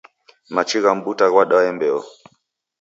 Machi gha mbuta ghadwae mbeo